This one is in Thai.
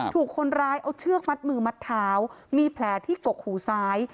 ถูกคนร้ายเอาเชือกมัดมือมัดเท้ามีแผลที่กกหูซ้าย